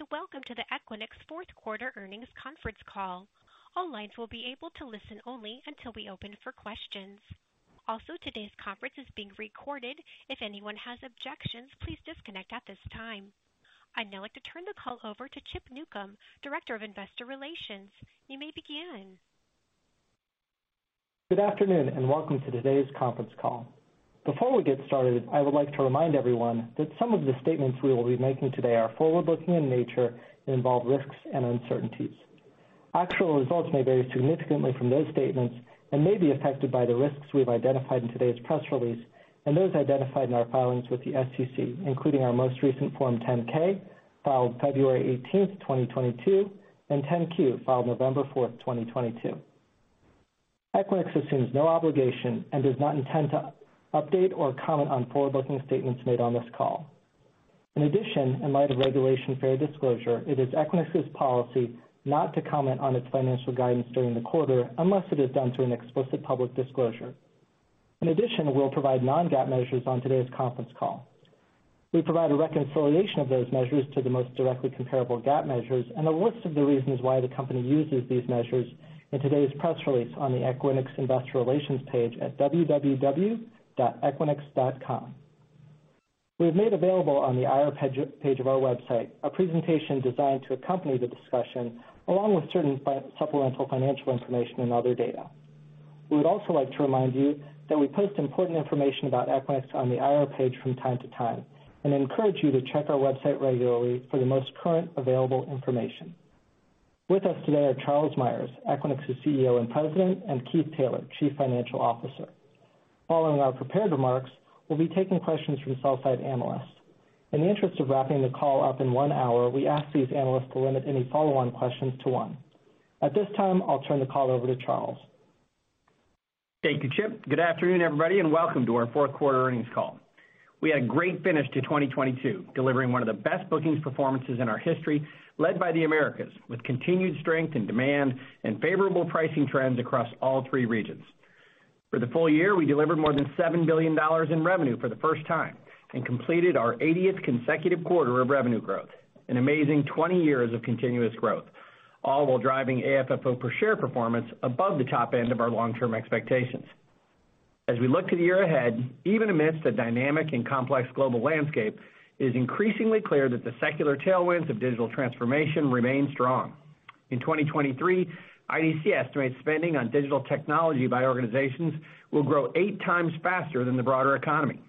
Good afternoon, welcome to the Equinix fourth quarter earnings conference call. All lines will be able to listen only until we open for questions. Also, today's conference is being recorded. If anyone has objections, please disconnect at this time. I'd now like to turn the call over to Chip Newcom, Director of Investor Relations. You may begin. Good afternoon, and welcome to today's conference call. Before we get started, I would like to remind everyone that some of the statements we will be making today are forward-looking in nature and involve risks and uncertainties. Actual results may vary significantly from those statements and may be affected by the risks we've identified in today's press release and those identified in our filings with the SEC, including our most recent Form 10-K, filed February 18th, 2022, and 10-Q, filed November 4th, 2022. Equinix assumes no obligation and does not intend to update or comment on forward-looking statements made on this call. In addition, in light of Regulation Fair Disclosure, it is Equinix's policy not to comment on its financial guidance during the quarter unless it is done through an explicit public disclosure. In addition, we'll provide non-GAAP measures on today's conference call. We provide a reconciliation of those measures to the most directly comparable GAAP measures and a list of the reasons why the company uses these measures in today's press release on the Equinix Investor Relations page at www.equinix.com. We have made available on the IR page of our website a presentation designed to accompany the discussion, along with certain supplemental financial information and other data. We would also like to remind you that we post important information about Equinix on the IR page from time to time and encourage you to check our website regularly for the most current available information. With us today are Charles Meyers, Equinix's CEO and President, and Keith Taylor, Chief Financial Officer. Following our prepared remarks, we'll be taking questions from sell side analysts. In the interest of wrapping the call up in one hour, we ask these analysts to limit any follow-on questions to one. At this time, I'll turn the call over to Charles. Thank you, Chip. Good afternoon, everybody, and welcome to our fourth quarter earnings call. We had a great finish to 2022, delivering one of the best bookings performances in our history, led by the Americas, with continued strength and demand and favorable pricing trends across all three regions. For the full year, we delivered more than $7 billion in revenue for the first time and completed our 80th consecutive quarter of revenue growth, an amazing 20 years of continuous growth, all while driving AFFO per share performance above the top end of our long-term expectations. As we look to the year ahead, even amidst a dynamic and complex global landscape, it is increasingly clear that the secular tailwinds of digital transformation remain strong. In 2023, IDC estimates spending on digital technology by organizations will grow 8 times faster than the broader economy.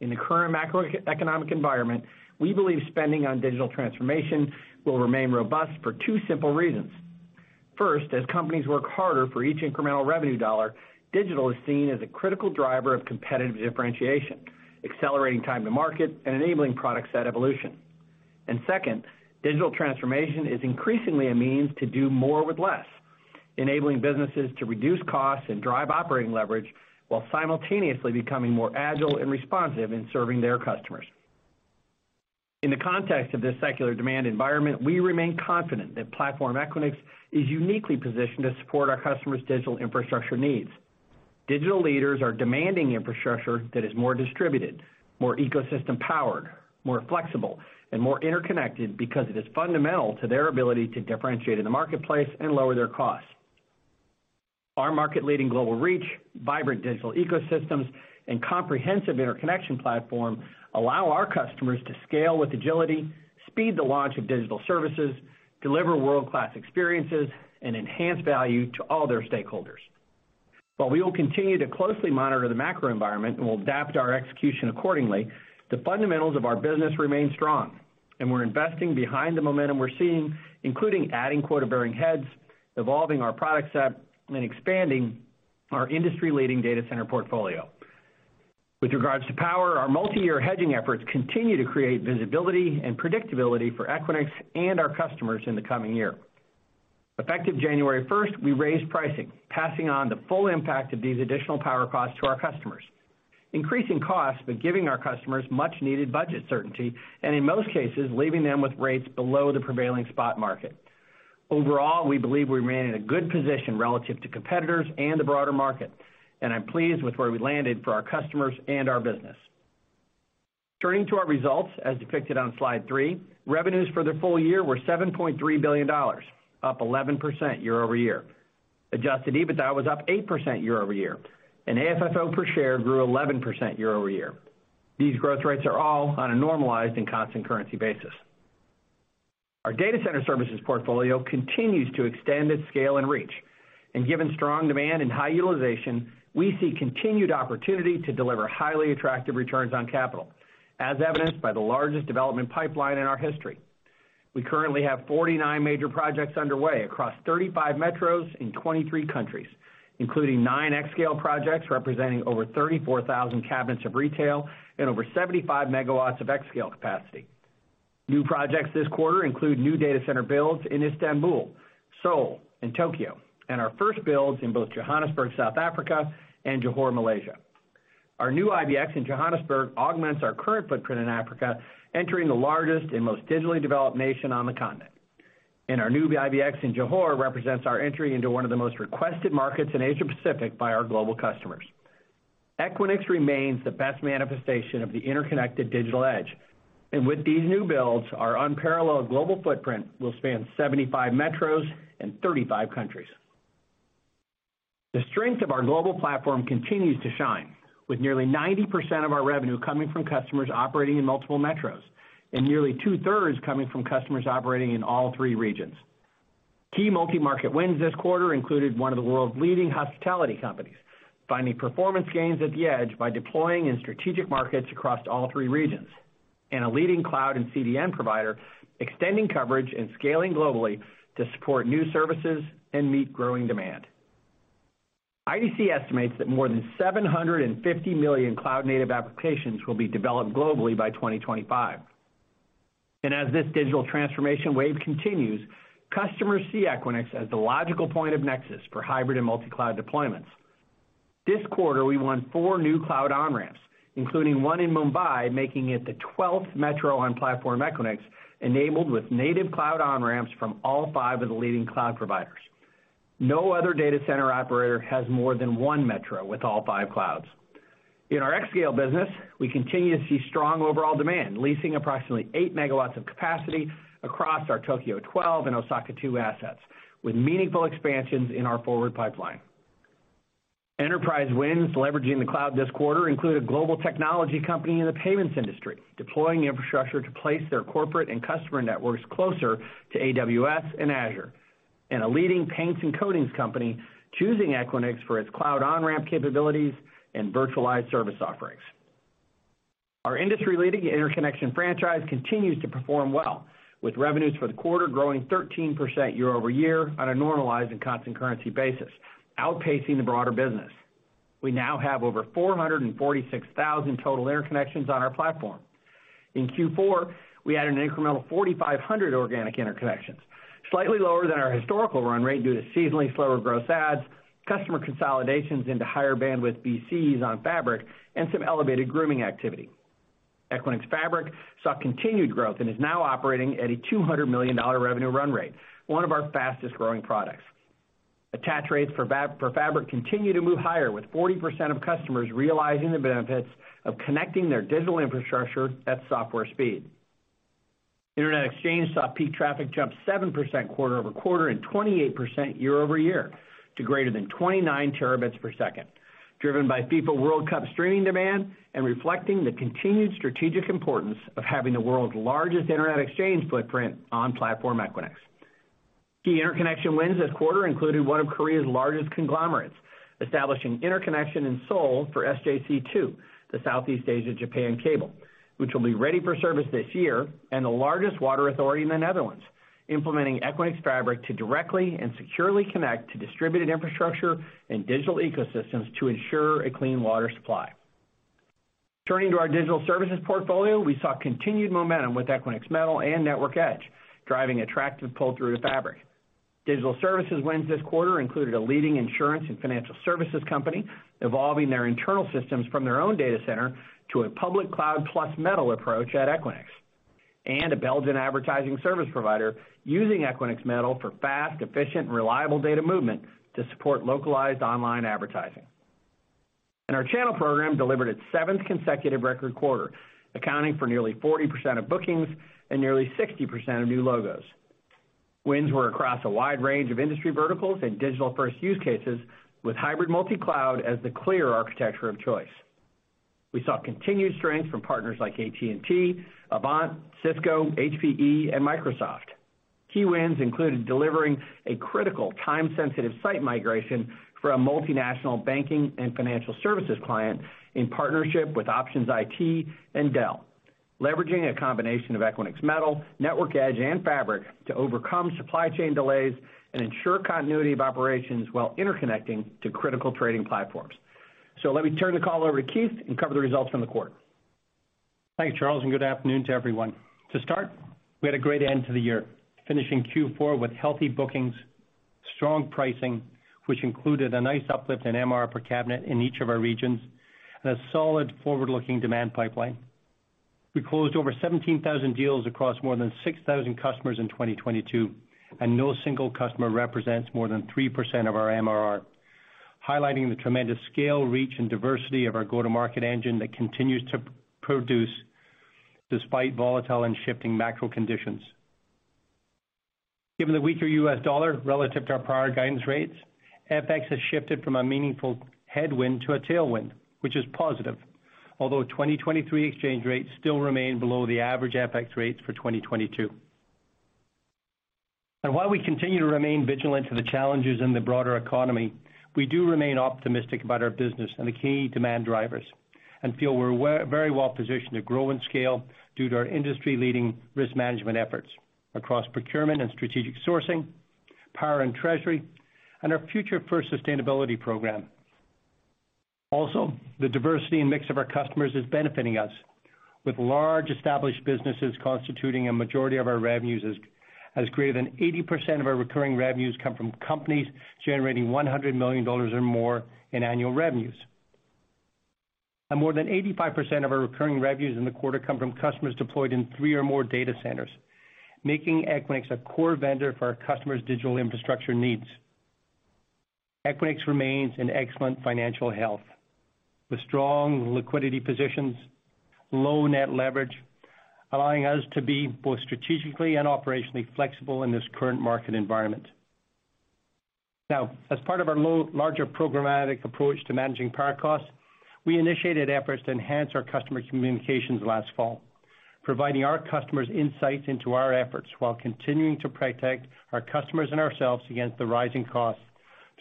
In the current macroeconomic environment, we believe spending on digital transformation will remain robust for two simple reasons. First, as companies work harder for each incremental revenue dollar, digital is seen as a critical driver of competitive differentiation, accelerating time to market and enabling product set evolution. Second, digital transformation is increasingly a means to do more with less, enabling businesses to reduce costs and drive operating leverage while simultaneously becoming more agile and responsive in serving their customers. In the context of this secular demand environment, we remain confident that Platform Equinix is uniquely positioned to support our customers' digital infrastructure needs. Digital leaders are demanding infrastructure that is more distributed, more ecosystem-powered, more flexible, and more interconnected because it is fundamental to their ability to differentiate in the marketplace and lower their costs. Our market-leading global reach, vibrant digital ecosystems, and comprehensive interconnection platform allow our customers to scale with agility, speed the launch of digital services, deliver world-class experiences, and enhance value to all their stakeholders. While we will continue to closely monitor the macro environment and we'll adapt our execution accordingly, the fundamentals of our business remain strong, and we're investing behind the momentum we're seeing, including adding quota-bearing heads, evolving our product set, and expanding our industry-leading data center portfolio. With regards to power, our multi-year hedging efforts continue to create visibility and predictability for Equinix and our customers in the coming year. Effective January 1st, we raised pricing, passing on the full impact of these additional power costs to our customers, increasing costs, but giving our customers much-needed budget certainty, and in most cases, leaving them with rates below the prevailing spot market. Overall, we believe we remain in a good position relative to competitors and the broader market. I'm pleased with where we landed for our customers and our business. Turning to our results, as depicted on slide three, revenues for the full year were $7.3 billion, up 11% year-over-year. Adjusted EBITDA was up 8% year-over-year. AFFO per share grew 11% year-over-year. These growth rates are all on a normalized and constant currency basis. Our data center services portfolio continues to extend its scale and reach. Given strong demand and high utilization, we see continued opportunity to deliver highly attractive returns on capital, as evidenced by the largest development pipeline in our history. We currently have 49 major projects underway across 35 metros in 23 countries, including nine xScale projects representing over 34,000 cabinets of retail and over 75 MW of xScale capacity. New projects this quarter include new data center builds in Istanbul, Seoul, and Tokyo, and our first builds in both Johannesburg, South Africa, and Johor, Malaysia. Our new IBX in Johannesburg augments our current footprint in Africa, entering the largest and most digitally developed nation on the continent. Our new IBX in Johor represents our entry into one of the most requested markets in Asia Pacific by our global customers. Equinix remains the best manifestation of the interconnected digital edge. With these new builds, our unparalleled global footprint will span 75 metros and 35 countries. The strength of our global platform continues to shine with nearly 90% of our revenue coming from customers operating in multiple metros, and nearly 2/3 coming from customers operating in all three regions. Key multi-market wins this quarter included one of the world's leading hospitality companies, finding performance gains at the edge by deploying in strategic markets across all three regions, and a leading cloud and CDN provider extending coverage and scaling globally to support new services and meet growing demand. IDC estimates that more than 750 million cloud-native applications will be developed globally by 2025. As this digital transformation wave continues, customers see Equinix as the logical point of nexus for hybrid and multi-cloud deployments. This quarter, we won four new cloud on-ramps, including one in Mumbai, making it the 12th metro on Platform Equinix enabled with native cloud on-ramps from all five of the leading cloud providers. No other data center operator has more than 1 metro with all five clouds. In our xScale business, we continue to see strong overall demand, leasing approximately 8 MW of capacity across our Tokyo 12 and Osaka two assets, with meaningful expansions in our forward pipeline. Enterprise wins leveraging the cloud this quarter include a global technology company in the payments industry, deploying infrastructure to place their corporate and customer networks closer to AWS and Azure, and a leading paints and coatings company choosing Equinix for its cloud on-ramp capabilities and virtualized service offerings. Our industry-leading interconnection franchise continues to perform well, with revenues for the quarter growing 13% year-over-year on a normalized and constant currency basis, outpacing the broader business. We now have over 446,000 total interconnections on our platform. In Q4, we had an incremental 4,500 organic interconnections, slightly lower than our historical run rate due to seasonally slower growth adds, customer consolidations into higher bandwidth VCs on Equinix Fabric, and some elevated grooming activity. Equinix Fabric saw continued growth and is now operating at a $200 million revenue run rate, one of our fastest-growing products. Attach rates for Fabric continue to move higher with 40% of customers realizing the benefits of connecting their digital infrastructure at software speed. Internet Exchange saw peak traffic jump 7% quarter-over-quarter and 28% year-over-year to greater than 29 Tbps, driven by FIFA World Cup streaming demand and reflecting the continued strategic importance of having the world's largest Internet Exchange footprint on Platform Equinix. Key interconnection wins this quarter included one of Korea's largest conglomerates, establishing interconnection in Seoul for SJC2, the Southeast Asia-Japan Cable 2, which will be ready for service this year, and the largest water authority in the Netherlands, implementing Equinix Fabric to directly and securely connect to distributed infrastructure and digital ecosystems to ensure a clean water supply. Turning to our digital services portfolio, we saw continued momentum with Equinix Metal and Network Edge, driving attractive pull-through to Fabric. Digital services wins this quarter included a leading insurance and financial services company evolving their internal systems from their own data center to a public cloud plus Metal approach at Equinix, and a Belgian advertising service provider using Equinix Metal for fast, efficient, reliable data movement to support localized online advertising. Our channel program delivered its seventh consecutive record quarter, accounting for nearly 40% of bookings and nearly 60% of new logos. Wins were across a wide range of industry verticals and digital-first use cases with hybrid multi-cloud as the clear architecture of choice. We saw continued strength from partners like AT&T, AVANT, Cisco, HPE, and Microsoft. Key wins included delivering a critical time-sensitive site migration for a multinational banking and financial services client in partnership with Options IT and Dell, leveraging a combination of Equinix Metal, Network Edge, and Fabric to overcome supply chain delays and ensure continuity of operations while interconnecting to critical trading platforms. Let me turn the call over to Keith and cover the results from the quarter. Thank you, Charles. Good afternoon to everyone. To start, we had a great end to the year, finishing Q4 with healthy bookings, strong pricing, which included a nice uplift in MRR per cabinet in each of our regions, and a solid forward-looking demand pipeline. We closed over 17,000 deals across more than 6,000 customers in 2022. No single customer represents more than 3% of our MRR, highlighting the tremendous scale, reach, and diversity of our go-to-market engine that continues to produce despite volatile and shifting macro conditions. Given the weaker U.S. dollar relative to our prior guidance rates, FX has shifted from a meaningful headwind to a tailwind, which is positive. 2023 exchange rates still remain below the average FX rates for 2022. While we continue to remain vigilant to the challenges in the broader economy, we do remain optimistic about our business and the key demand drivers and feel we're very well positioned to grow and scale due to our industry-leading risk management efforts across procurement and strategic sourcing, power and treasury, and our future first sustainability program. The diversity and mix of our customers is benefiting us with large established businesses constituting a majority of our revenues as greater than 80% of our recurring revenues come from companies generating $100 million or more in annual revenues. More than 85% of our recurring revenues in the quarter come from customers deployed in three or more data centers, making Equinix a core vendor for our customers' digital infrastructure needs. Equinix remains in excellent financial health, with strong liquidity positions, low net leverage, allowing us to be both strategically and operationally flexible in this current market environment. As part of our larger programmatic approach to managing power costs, we initiated efforts to enhance our customer communications last fall, providing our customers insights into our efforts while continuing to protect our customers and ourselves against the rising costs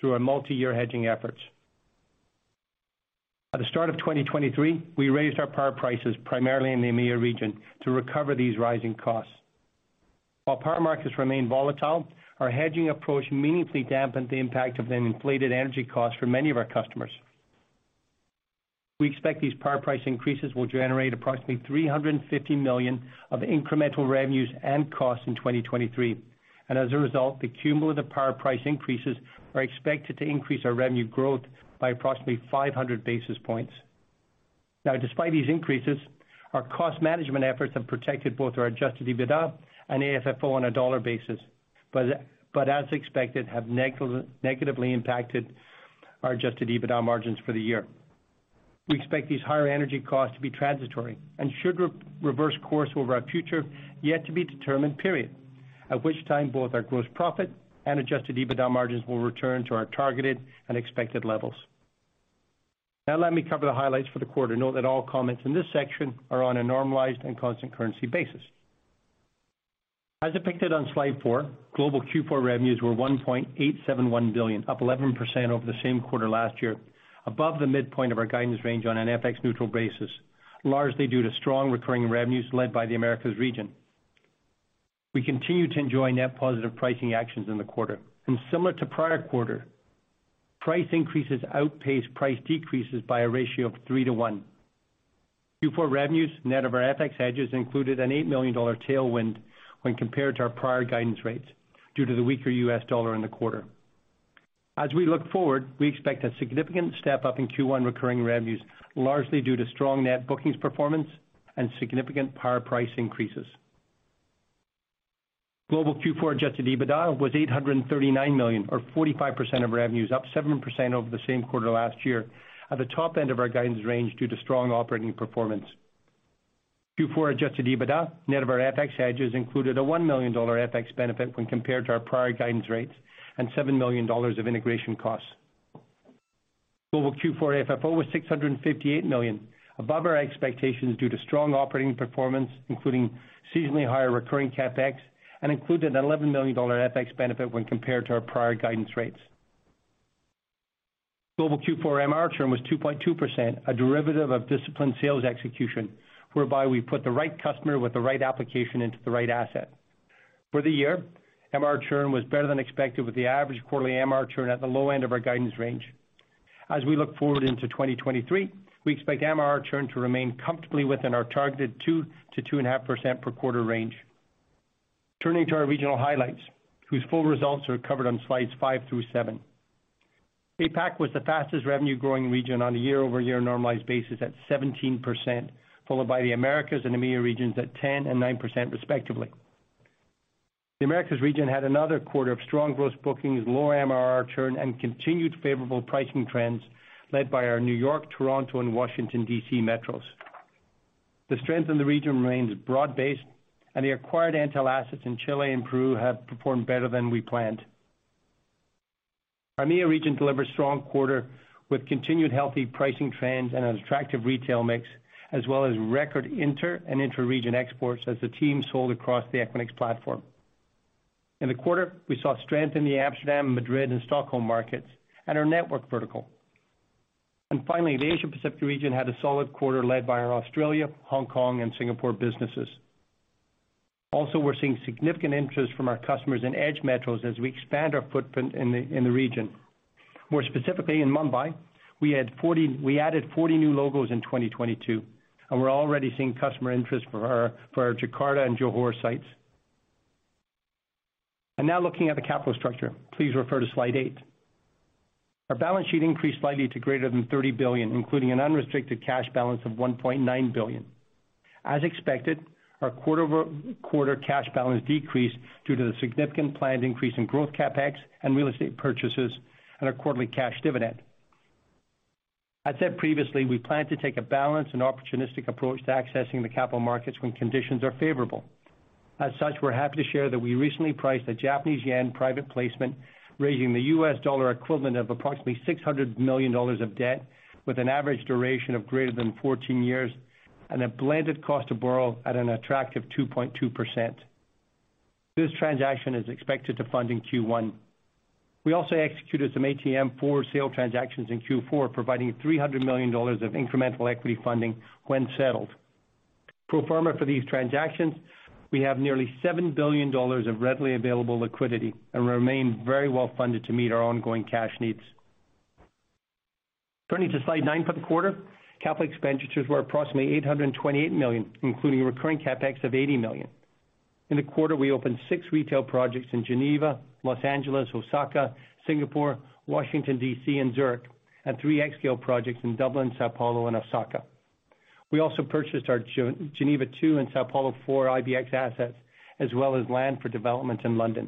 through our multi-year hedging efforts. At the start of 2023, we raised our power prices primarily in the EMEA region to recover these rising costs. While power markets remain volatile, our hedging approach meaningfully dampened the impact of the inflated energy costs for many of our customers. We expect these power price increases will generate approximately $350 million of incremental revenues and costs in 2023. As a result, the cumulative power price increases are expected to increase our revenue growth by approximately 500 basis points. Despite these increases, our cost management efforts have protected both our adjusted EBITDA and AFFO on a dollar basis, but as expected, have negatively impacted our adjusted EBITDA margins for the year. We expect these higher energy costs to be transitory and should reverse course over our future yet to be determined period, at which time both our gross profit and adjusted EBITDA margins will return to our targeted and expected levels. Let me cover the highlights for the quarter. Note that all comments in this section are on a normalized and constant currency basis. As depicted on slide four, global Q4 revenues were $1.871 billion, up 11% over the same quarter last year, above the midpoint of our guidance range on an FX-neutral basis, largely due to strong recurring revenues led by the Americas region. We continue to enjoy net positive pricing actions in the quarter. Similar to prior quarter, price increases outpaced price decreases by a ratio of 3 to 1. Q4 revenues, net of our FX hedges, included an $8 million tailwind when compared to our prior guidance rates due to the weaker U.S. dollar in the quarter. As we look forward, we expect a significant step-up in Q1 recurring revenues, largely due to strong net bookings performance and significant power price increases. Global Q4 adjusted EBITDA was $839 million or 45% of revenues, up 7% over the same quarter last year at the top end of our guidance range due to strong operating performance. Q4 adjusted EBITDA, net of our FX hedges, included a $1 million FX benefit when compared to our prior guidance rates and $7 million of integration costs. Global Q4 AFFO was $658 million, above our expectations due to strong operating performance, including seasonally higher recurring CapEx and included an $11 million FX benefit when compared to our prior guidance rates. Global Q4 MRR churn was 2.2%, a derivative of disciplined sales execution, whereby we put the right customer with the right application into the right asset. For the year, MRR churn was better than expected, with the average quarterly MRR churn at the low end of our guidance range. We look forward into 2023, we expect MRR churn to remain comfortably within our targeted 2%-2.5% per quarter range. Turning to our regional highlights, whose full results are covered on slides five to seven. APAC was the fastest revenue-growing region on a year-over-year normalized basis at 17%, followed by the Americas and EMEA regions at 10% and 9% respectively. The Americas region had another quarter of strong gross bookings, low MRR churn, and continued favorable pricing trends led by our New York, Toronto, and Washington D.C. metros. The strength in the region remains broad-based, and the acquired Entel assets in Chile and Peru have performed better than we planned. Our EMEA region delivered strong quarter with continued healthy pricing trends and an attractive retail mix, as well as record inter and intra-region exports as the team sold across the Equinix platform. In the quarter, we saw strength in the Amsterdam, Madrid, and Stockholm markets and our network vertical. Finally, the Asia Pacific region had a solid quarter led by our Australia, Hong Kong, and Singapore businesses. Also, we're seeing significant interest from our customers in Edge metros as we expand our footprint in the region. More specifically, in Mumbai, we added 40 new logos in 2022, and we're already seeing customer interest for our Jakarta and Johor sites. Now looking at the capital structure. Please refer to slide eight. Our balance sheet increased slightly to greater than $30 billion, including an unrestricted cash balance of $1.9 billion. As expected, our quarter-over-quarter cash balance decreased due to the significant planned increase in growth CapEx and real estate purchases and our quarterly cash dividend. As said previously, we plan to take a balanced and opportunistic approach to accessing the capital markets when conditions are favorable. We're happy to share that we recently priced a Japanese yen private placement, raising the U.S. dollar equivalent of approximately $600 million of debt with an average duration of greater than 14 years and a blended cost to borrow at an attractive 2.2%. This transaction is expected to fund in Q1. We also executed some ATM for sale transactions in Q4, providing $300 million of incremental equity funding when settled. Pro forma for these transactions, we have nearly $7 billion of readily available liquidity and remain very well funded to meet our ongoing cash needs. Turning to slide nine for the quarter, capital expenditures were approximately $828 million, including recurring CapEx of $80 million. In the quarter, we opened six retail projects in Geneva, Los Angeles, Osaka, Singapore, Washington D.C., and Zurich, and three xScale projects in Dublin, São Paulo and Osaka. We also purchased our Geneva 2 and São Paulo 4 IBX assets, as well as land for development in London.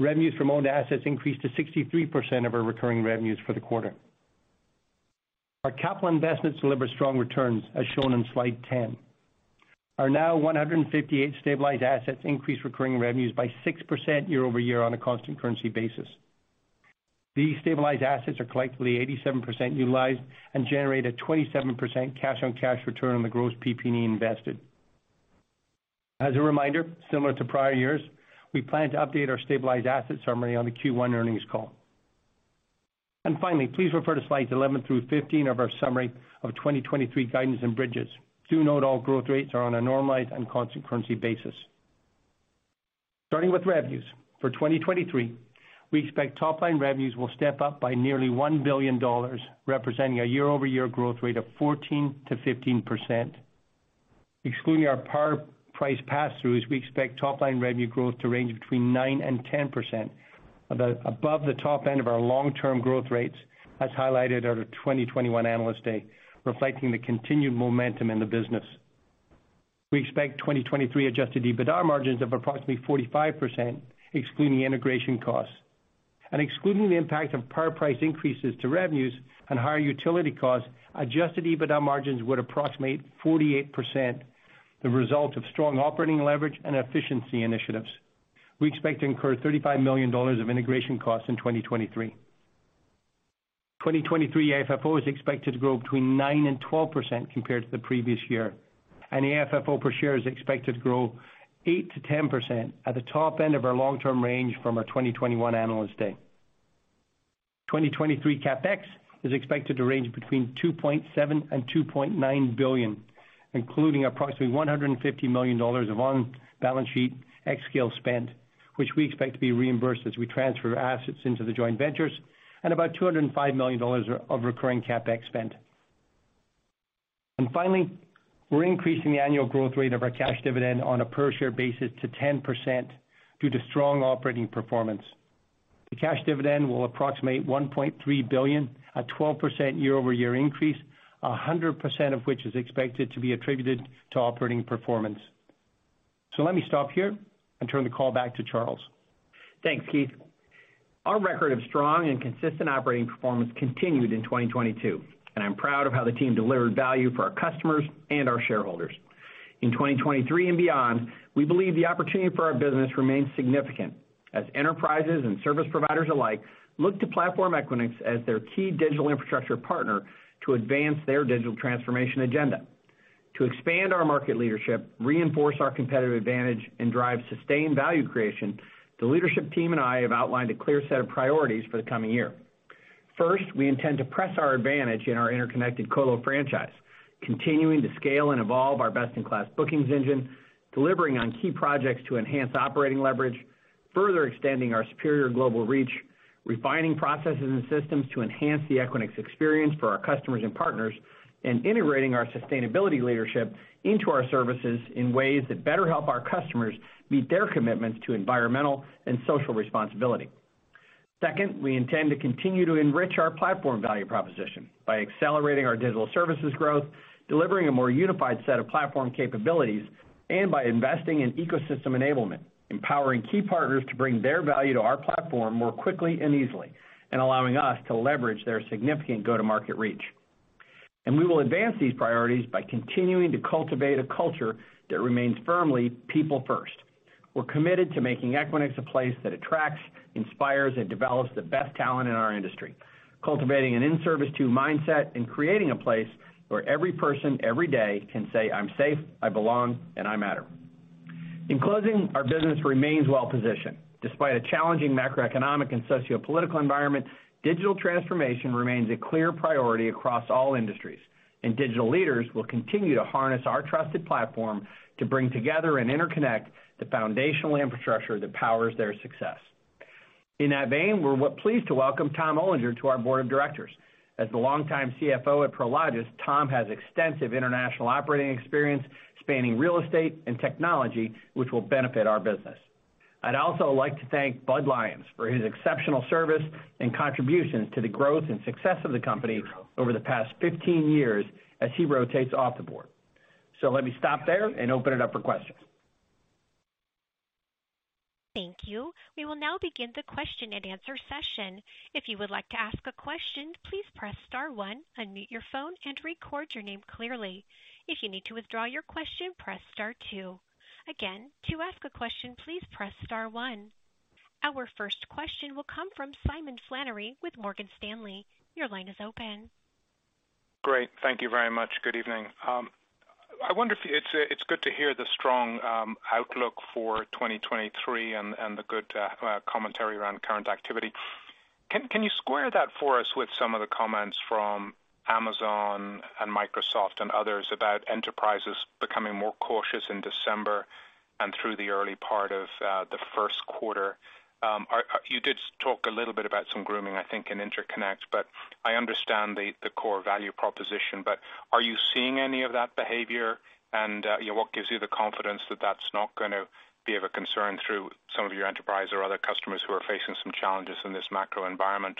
Revenues from owned assets increased to 63% of our recurring revenues for the quarter. Our capital investments deliver strong returns, as shown in slide 10. Our now 158 stabilized assets increase recurring revenues by 6% year-over-year on a constant currency basis. These stabilized assets are collectively 87% utilized and generate a 27% cash on cash return on the gross PP&E invested. As a reminder, similar to prior years, we plan to update our stabilized asset summary on the Q1 earnings call. Finally, please refer to slides 11-15 of our summary of 2023 guidance and bridges. Do note all growth rates are on a normalized and constant currency basis. Starting with revenues. For 2023, we expect top line revenues will step up by nearly $1 billion, representing a year-over-year growth rate of 14%-15%. Excluding our power price pass-throughs, we expect top line revenue growth to range between 9%-10%, above the top end of our long-term growth rates, as highlighted at our 2021 Analyst Day, reflecting the continued momentum in the business. We expect 2023 adjusted EBITDA margins of approximately 45%, excluding integration costs. Excluding the impact of power price increases to revenues and higher utility costs, adjusted EBITDA margins would approximate 48%, the result of strong operating leverage and efficiency initiatives. We expect to incur $35 million of integration costs in 2023. 2023 AFFO is expected to grow between 9% and 12% compared to the previous year, and the AFFO per share is expected to grow 8%-10% at the top end of our long-term range from our 2021 Analyst Day. 2023 CapEx is expected to range between $2.7 billion and $2.9 billion, including approximately $150 million of on-balance sheet xScale spend, which we expect to be reimbursed as we transfer assets into the joint ventures, and about $205 million of recurring CapEx spend. Finally, we're increasing the annual growth rate of our cash dividend on a per share basis to 10% due to strong operating performance. The cash dividend will approximate $1.3 billion, a 12% year-over-year increase, 100% of which is expected to be attributed to operating performance. Let me stop here and turn the call back to Charles. Thanks, Keith. Our record of strong and consistent operating performance continued in 2022, and I'm proud of how the team delivered value for our customers and our shareholders. In 2023 and beyond, we believe the opportunity for our business remains significant as enterprises and service providers alike look to Platform Equinix as their key digital infrastructure partner to advance their digital transformation agenda. To expand our market leadership, reinforce our competitive advantage, and drive sustained value creation, the leadership team and I have outlined a clear set of priorities for the coming year. First, we intend to press our advantage in our interconnected color franchise, continuing to scale and evolve our best-in-class bookings engine, delivering on key projects to enhance operating leverage, further extending our superior global reach, refining processes and systems to enhance the Equinix experience for our customers and partners, and integrating our sustainability leadership into our services in ways that better help our customers meet their commitments to environmental and social responsibility. Second, we intend to continue to enrich our platform value proposition by accelerating our digital services growth, delivering a more unified set of platform capabilities, and by investing in ecosystem enablement, empowering key partners to bring their value to our platform more quickly and easily, and allowing us to leverage their significant go-to-market reach. We will advance these priorities by continuing to cultivate a culture that remains firmly people first. We're committed to making Equinix a place that attracts, inspires, and develops the best talent in our industry, cultivating an in service to mindset and creating a place where every person, every day can say, "I'm safe, I belong, and I matter." In closing, our business remains well positioned. Despite a challenging macroeconomic and sociopolitical environment, digital transformation remains a clear priority across all industries, and digital leaders will continue to harness our trusted platform to bring together and interconnect the foundational infrastructure that powers their success. In that vein, we're pleased to welcome Tom Olinger to our board of directors. As the longtime CFO at Prologis, Tom has extensive international operating experience spanning real estate and technology, which will benefit our business. I'd also like to thank Bud Lyons for his exceptional service and contributions to the growth and success of the company over the past 15 years as he rotates off the board. Let me stop there and open it up for questions. Thank you. We will now begin the question and answer session. If you would like to ask a question, please press star one, unmute your phone and record your name clearly. If you need to withdraw your question, press star two. Again, to ask a question, please press star one. Our first question will come from Simon Flannery with Morgan Stanley. Your line is open. Great. Thank you very much. Good evening. I wonder if it's good to hear the strong outlook for 2023 and the good commentary around current activity. Can you square that for us with some of the comments from Amazon and Microsoft and others about enterprises becoming more cautious in December? And through the early part of the first quarter. You did talk a little bit about some grooming, I think, in interconnect, but I understand the core value proposition. Are you seeing any of that behavior? You know, what gives you the confidence that that's not gonna be of a concern through some of your enterprise or other customers who are facing some challenges in this macro environment?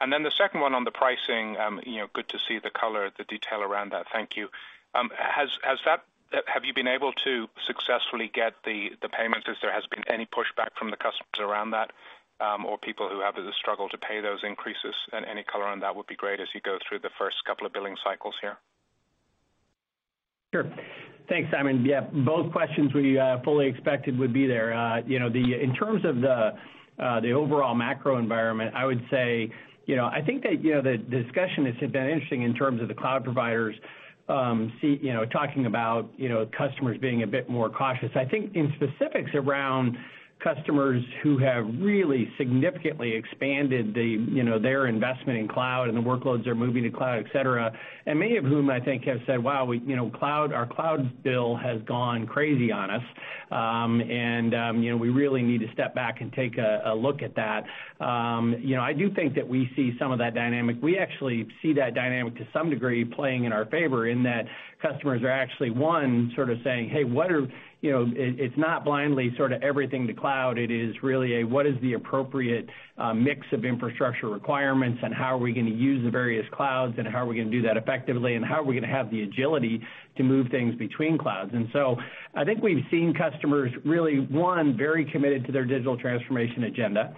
The second one on the pricing, you know, good to see the color, the detail around that. Thank you. Have you been able to successfully get the payments, as there has been any pushback from the customers around that, or people who have the struggle to pay those increases? Any color on that would be great as you go through the first couple of billing cycles here. Sure. Thanks, Simon. Yeah, both questions we fully expected would be there. You know, in terms of the overall macro environment, I would say, you know, I think that, you know, the discussion has been interesting in terms of the cloud providers, you know, talking about, you know, customers being a bit more cautious. I think in specifics around customers who have really significantly expanded the, you know, their investment in cloud and the workloads they're moving to cloud, et cetera. Many of whom I think have said, "Wow, we, you know, our cloud bill has gone crazy on us, and, you know, we really need to step back and take a look at that." You know, I do think that we see some of that dynamic. We actually see that dynamic to some degree playing in our favor in that customers are actually, one, sort of saying, "Hey, what are," you know, it's not blindly sort of everything to cloud, it is really a what is the appropriate mix of infrastructure requirements and how are we gonna use the various clouds, and how are we gonna do that effectively, and how are we gonna have the agility to move things between clouds? I think we've seen customers really, one, very committed to their digital transformation agenda.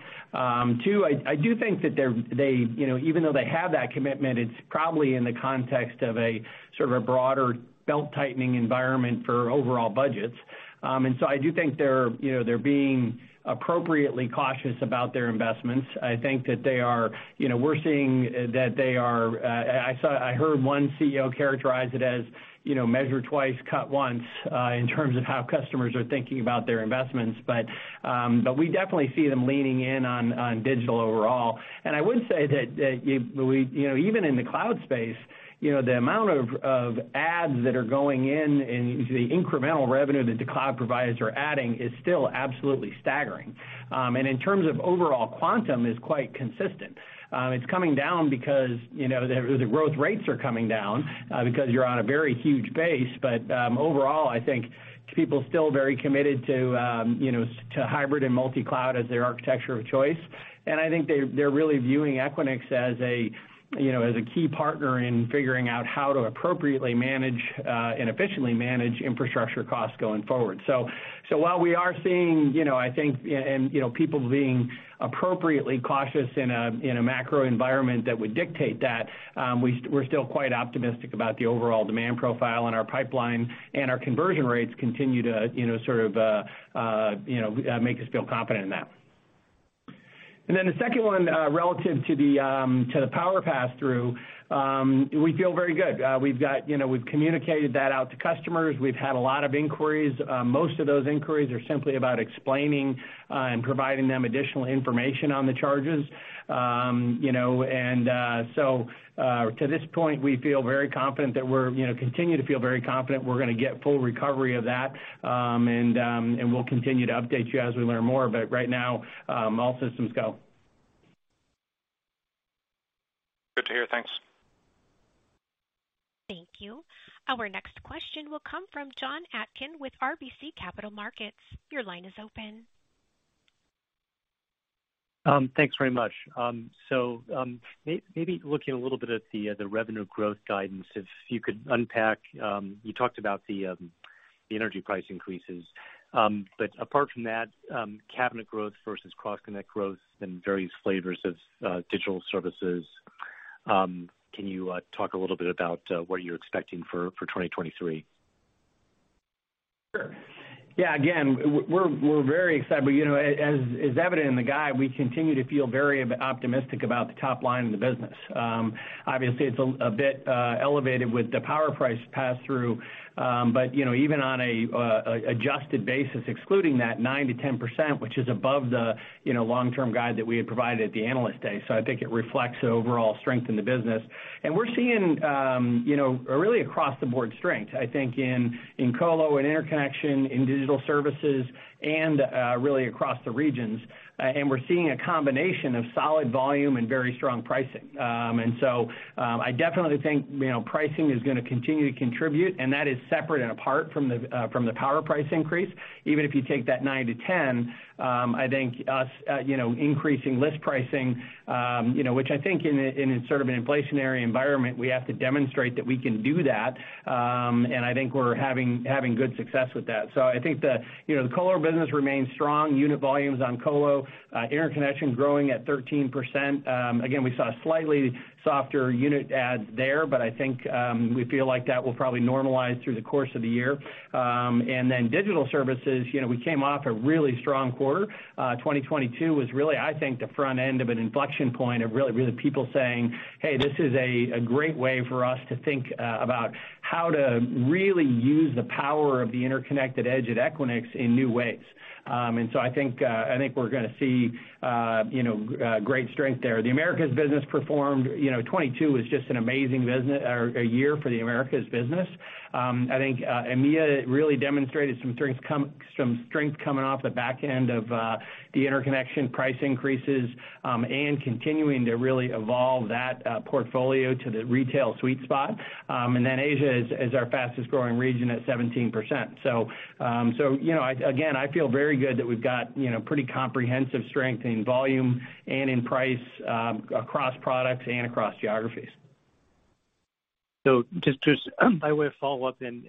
Two, I do think that they're, you know, even though they have that commitment, it's probably in the context of a sort of a broader belt-tightening environment for overall budgets. I do think they're, you know, they're being appropriately cautious about their investments. I think that they are. You know, we're seeing that they are, I heard one CEO characterize it as, you know, measure twice, cut once, in terms of how customers are thinking about their investments. We definitely see them leaning in on digital overall. I would say that, we, you know, even in the cloud space, you know, the amount of ads that are going in and the incremental revenue that the cloud providers are adding is still absolutely staggering. In terms of overall quantum, is quite consistent. It's coming down because, you know, the growth rates are coming down, because you're on a very huge base. Overall, I think people still very committed to, you know, to hybrid and multi-cloud as their architecture of choice. I think they're really viewing Equinix as a, you know, as a key partner in figuring out how to appropriately manage and efficiently manage infrastructure costs going forward. While we are seeing, you know, I think, and, you know, people being appropriately cautious in a, in a macro environment that would dictate that, we're still quite optimistic about the overall demand profile and our pipeline, and our conversion rates continue to, you know, sort of, you know, make us feel confident in that. Then the second one, relative to the power pass-through, we feel very good. We've got, you know, we've communicated that out to customers. We've had a lot of inquiries. Most of those inquiries are simply about explaining and providing them additional information on the charges. You know, to this point, we feel very confident that we're, you know, continue to feel very confident we're gonna get full recovery of that. We'll continue to update you as we learn more, but right now, all systems go. Good to hear. Thanks. Thank you. Our next question will come from Jon Atkin with RBC Capital Markets. Your line is open. Thanks very much. Maybe looking a little bit at the revenue growth guidance, if you could unpack, you talked about the energy price increases. Apart from that, cabinet growth versus cross-connect growth and various flavors of digital services, can you talk a little bit about what you're expecting for 2023? Sure. Yeah. Again, we're very excited. You know, as evident in the guide, we continue to feel very optimistic about the top line in the business. Obviously it's a bit elevated with the power price pass-through. You know, even on an adjusted basis, excluding that 9%-10%, which is above the, you know, long-term guide that we had provided at the Analyst Day. I think it reflects the overall strength in the business. We're seeing, you know, really across the board strength, I think, in color and interconnection, in digital services and really across the regions. We're seeing a combination of solid volume and very strong pricing. I definitely think, you know, pricing is gonna continue to contribute, and that is separate and apart from the power price increase. Even if you take that 9%-10%, I think us, you know, increasing list pricing, you know, which I think in a sort of an inflationary environment, we have to demonstrate that we can do that. I think we're having good success with that. I think the, you know, the color business remains strong. Unit volumes on color, interconnection growing at 13%. Again, we saw slightly softer unit ads there, but I think, we feel like that will probably normalize through the course of the year. Digital services, you know, we came off a really strong quarter. 2022 was really, I think, the front end of an inflection point of really people saying, "Hey, this is a great way for us to think about how to really use the power of the interconnected edge at Equinix in new ways." I think, I think we're gonna see, you know, great strength there. The Americas business performed, you know, 2022 was just an amazing business or a year for the Americas business. I think, EMEA really demonstrated some strength coming off the back end of the interconnection price increases, and continuing to really evolve that portfolio to the retail sweet spot. Asia is our fastest growing region at 17%. Again, I feel very good that we've got, you know, pretty comprehensive strength in volume and in price, across products and across geographies. Just by way of follow-up then,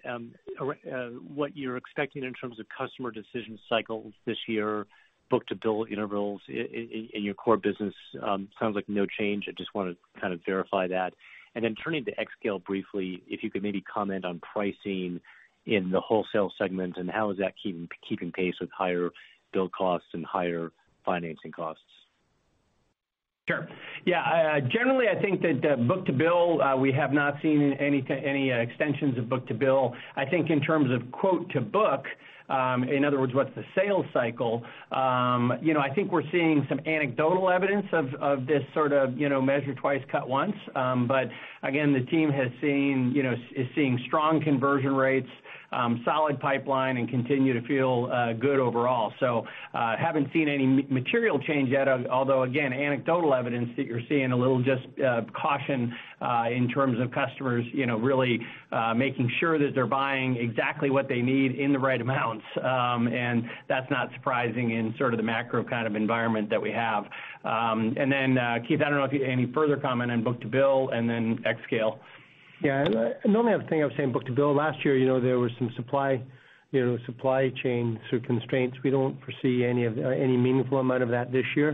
what you're expecting in terms of customer decision cycles this year, book-to-bill intervals in your core business, sounds like no change. I just wanna kind of verify that. Turning to xScale briefly, if you could maybe comment on pricing in the wholesale segment and how is that keeping pace with higher build costs and higher financing costs? Sure. Yeah. Generally, I think that book-to-bill, we have not seen any extensions of book-to-bill. I think in terms of quote to book, in other words, what's the sales cycle, you know, I think we're seeing some anecdotal evidence of this sort of, you know, measure twice, cut once. Again, the team has seen, you know, is seeing strong conversion rates, solid pipeline and continue to feel good overall. Haven't seen any material change yet, although again, anecdotal evidence that you're seeing a little just caution in terms of customers, you know, really making sure that they're buying exactly what they need in the right amounts. That's not surprising in sort of the macro kind of environment that we have. Keith, I don't know if you any further comment on book-to-bill and then xScale? The only other thing I would say on book-to-bill, last year, you know, there was some supply, you know, supply chain sort of constraints. We don't foresee any meaningful amount of that this year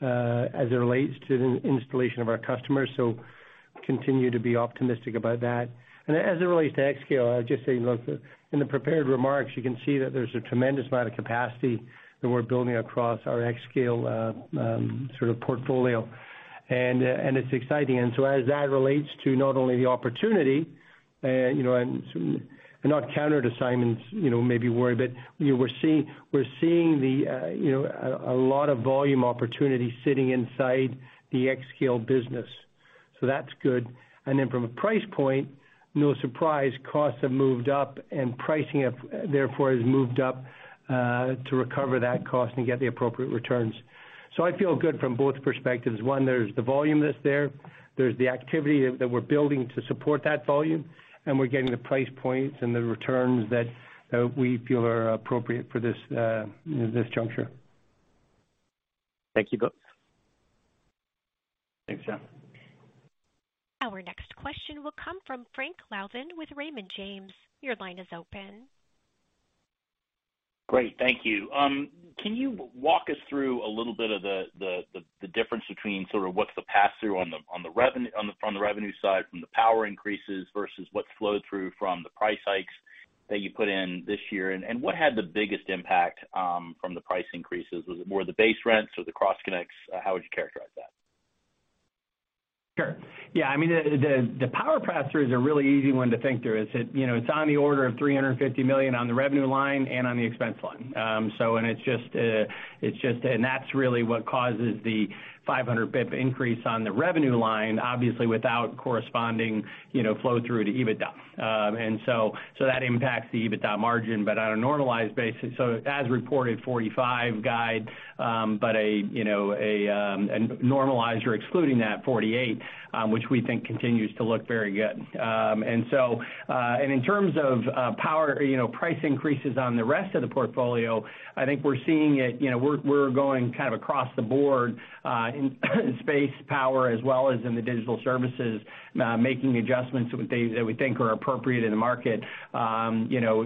as it relates to the installation of our customers. Continue to be optimistic about that. As it relates to xScale, I would just say, look, in the prepared remarks, you can see that there's a tremendous amount of capacity that we're building across our xScale sort of portfolio. It's exciting. As that relates to not only the opportunity, you know, and not counter to Simon's, you know, maybe worry, but we're seeing the, you know, a lot of volume opportunity sitting inside the xScale business. That's good. Then from a price point, no surprise, costs have moved up and pricing have therefore has moved up to recover that cost and get the appropriate returns. I feel good from both perspectives. One, there's the volume that's there. There's the activity that we're building to support that volume, and we're getting the price points and the returns that we feel are appropriate for this juncture. Thank you both. Thanks, Jon. Our next question will come from Frank Louthan with Raymond James. Your line is open. Great. Thank you. Can you walk us through a little bit of the difference between sort of what's the pass-through on the revenue-- on the, from the revenue side from the power increases versus what's flowed through from the price hikes that you put in this year? What had the biggest impact from the price increases? Was it more the base rents or the cross connects? How would you characterize that? Sure. Yeah, I mean, the power pass-through is a really easy one to think through. It's, you know, it's on the order of $350 million on the revenue line and on the expense line. It's just and that's really what causes the 500 pip increase on the revenue line, obviously without corresponding, you know, flow through to EBITDA. That impacts the EBITDA margin. On a normalized basis, so as reported 45 guide, but a, you know, normalized or excluding that 48, which we think continues to look very good. In terms of power, you know, price increases on the rest of the portfolio, I think we're seeing it, you know, we're going kind of across the board, in space, power, as well as in the digital services, making adjustments that we think are appropriate in the market. You know,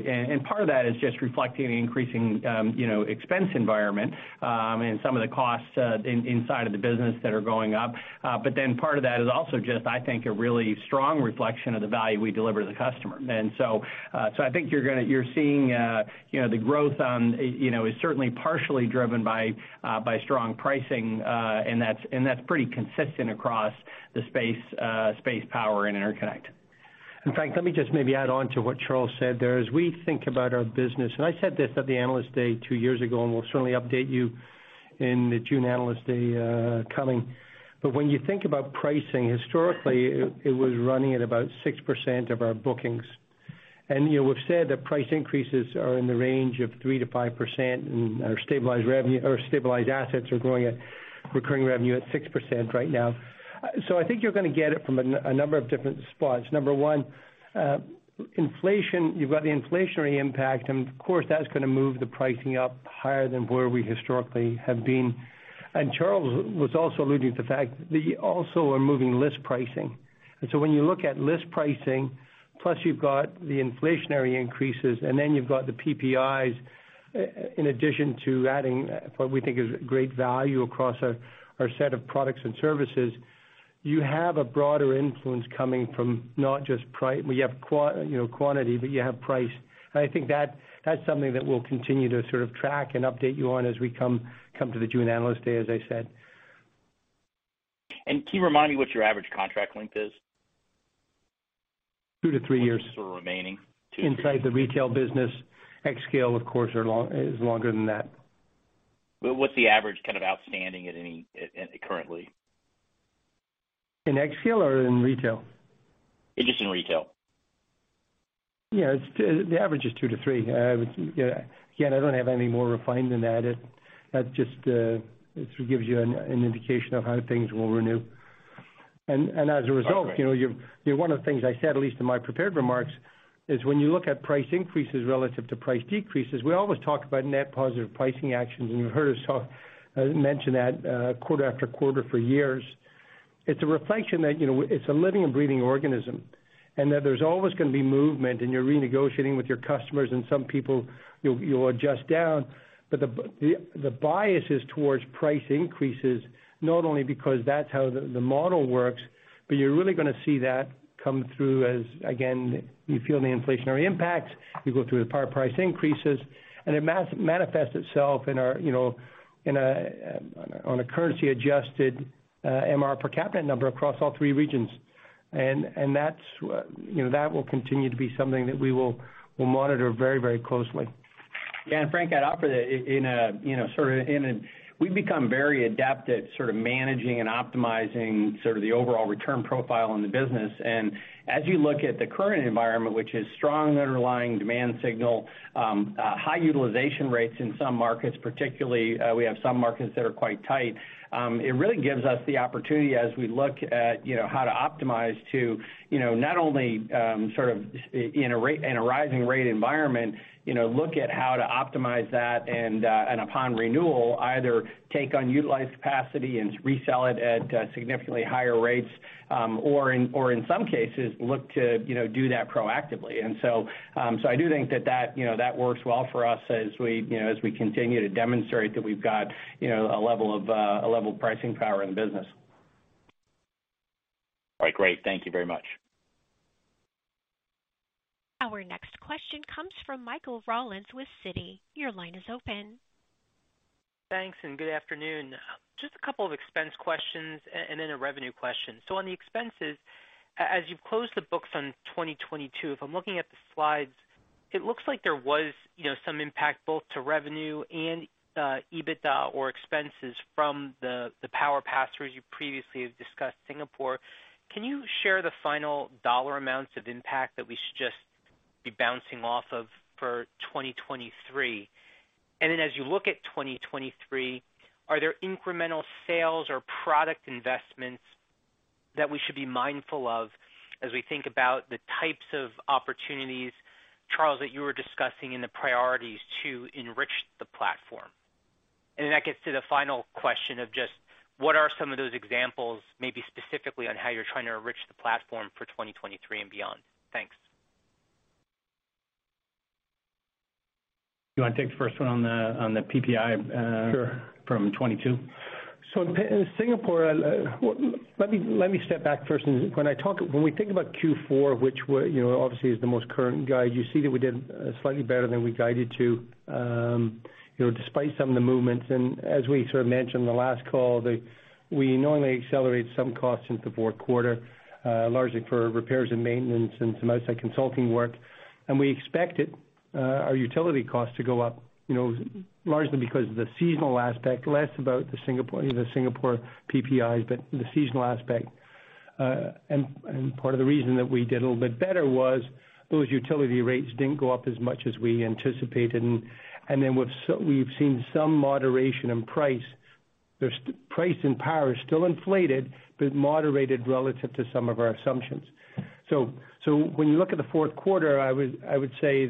part of that is just reflecting an increasing, you know, expense environment, and some of the costs inside of the business that are going up. Part of that is also just, I think, a really strong reflection of the value we deliver to the customer. I think you're seeing, you know, the growth on, you know, is certainly partially driven by strong pricing, and that's pretty consistent across the space, power and interconnect. Frank, let me just maybe add on to what Charles said there. As we think about our business, and I said this at the Analyst Day two years ago, and we'll certainly update you in the June Analyst Day coming. When you think about pricing, historically, it was running at about 6% of our bookings. You know, we've said that price increases are in the range of 3%-5%, and our stabilized revenue or stabilized assets are growing at recurring revenue at 6% right now. I think you're gonna get it from a number of different spots. Number one, inflation, you've got the inflationary impact, and of course, that's gonna move the pricing up higher than where we historically have been. Charles was also alluding to the fact that you also are moving list pricing. When you look at list pricing, plus you've got the inflationary increases, and then you've got the PPIs, in addition to adding what we think is great value across our set of products and services, you have a broader influence coming from not just you have you know, quantity, but you have price. I think that that's something that we'll continue to sort of track and update you on as we come to the June Analyst Day, as I said. Can you remind me what your average contract length is? Two to three years. Sort of remaining. Inside the retail business. xScale, of course, is longer than that. What's the average kind of outstanding at any, at currently? In xScale or in retail? Just in retail. Yeah. It's, the average is two to three. again, I don't have any more refined than that. it gives you an indication of how things will renew. As a result, you know, one of the things I said, at least in my prepared remarks, is when you look at price increases relative to price decreases, we always talk about net positive pricing actions. You heard us talk, mention that, quarter after quarter for years. It's a reflection that, you know, it's a living and breathing organism, and that there's always gonna be movement and you're renegotiating with your customers and some people you'll adjust down. The bias is towards price increases, not only because that's how the model works, but you're really gonna see that come through as, again, you feel the inflationary impacts, you go through the power price increases, and it manifest itself in our, you know, in a, on a, on a currency-adjusted MRR per cabinet number across all three regions. That's, you know, that will continue to be something that we will monitor very, very closely. Frank, I'd offer that in a, you know, sort of in a, we've become very adept at sort of managing and optimizing sort of the overall return profile in the business. As you look at the current environment, which is strong underlying demand signal, high utilization rates in some markets, particularly, we have some markets that are quite tight, it really gives us the opportunity as we look at, you know, how to optimize to, you know, not only in a rising rate environment, you know, look at how to optimize that, and upon renewal, either take on utilized capacity and resell it at significantly higher rates, or in some cases look to, you know, do that proactively. So I do think that that, you know, that works well for us as we, you know, as we continue to demonstrate that we've got, you know, a level of pricing power in the business. All right. Great. Thank you very much. Our next question comes from Michael Rollins with Citi. Your line is open. Thanks, good afternoon. Just a couple of expense questions and then a revenue question. On the expenses, as you've closed the books on 2022, if I'm looking at the slides, it looks like there was, you know, some impact both to revenue and EBITDA or expenses from the power pass-throughs you previously have discussed Singapore. Can you share the final dollar amounts of impact that we should just be bouncing off of for 2023? As you look at 2023, are there incremental sales or product investments that we should be mindful of as we think about the types of opportunities, Charles, that you were discussing and the priorities to enrich the platform? That gets to the final question of just what are some of those examples, maybe specifically on how you're trying to enrich the Platform for 2023 and beyond? Thanks. You wanna take the first one on the, on the PPI Sure from 2022? In Singapore, well, let me step back first. When we think about Q4, which you know, obviously is the most current guide, you see that we did slightly better than we guided to, you know, despite some of the movements. As we sort of mentioned the last call, we normally accelerate some costs into the fourth quarter, largely for repairs and maintenance and some outside consulting work. We expected our utility costs to go up, you know, largely because of the seasonal aspect, less about the Singapore, you know, the Singapore PPIs, but the seasonal aspect. Part of the reason that we did a little bit better was those utility rates didn't go up as much as we anticipated. Then we've seen some moderation in price. Price in power is still inflated, but moderated relative to some of our assumptions. When you look at the fourth quarter, I would say